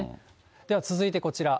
では続いてこちら。